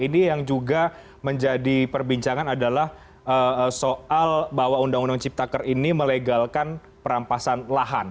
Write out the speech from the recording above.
ini yang juga menjadi perbincangan adalah soal bahwa undang undang ciptaker ini melegalkan perampasan lahan